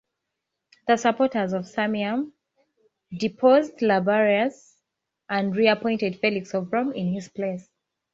The supporters of Sirmium deposed Liberius and reappointed Felix of Rome in his place.